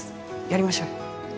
やりましょうよ。